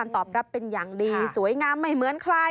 ตอบรับเป็นอย่างดีสวยงามไม่เหมือนใคร